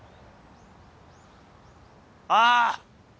ああ！